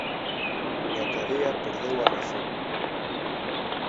Na cadea perdeu a razón.